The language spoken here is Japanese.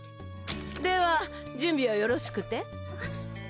では準備はよろしくて？